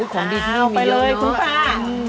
ของดีที่นี่มีเยอะเนอะ